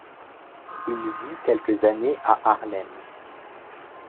Il vit quelques années à Haarlem.